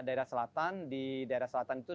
daerah selatan di daerah selatan itu